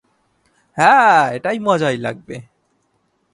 হ্যাঁ এটা মজাই লাগবে।